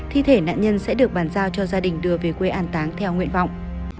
thi thể nạn nhân sẽ được bàn giao cho gia đình đưa về quê an táng theo nguyện vọng